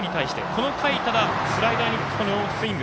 この回からスライダーにスイング。